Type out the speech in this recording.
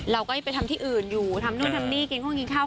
เราก็ไปทำที่อื่นอยู่ทำนู่นทำนี่กินห้องกินข้าว